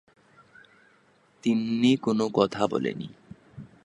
তিন্নি কোনো কথা বলে নি।